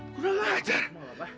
kurang ajar kurang ajar